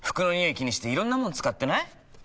気にしていろんなもの使ってない？